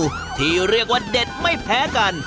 อีกหนึ่งเมนูที่เรียกว่าเด็ดไม่แพ้กัน